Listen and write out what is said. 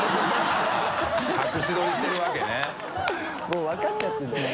もう分かっちゃってるんだね。